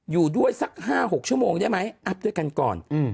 อยู่ด้วยสัก๕๖ชั่วโมงได้ไหมอัพด้วยกันก่อน